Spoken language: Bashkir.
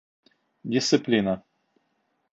Дисциплина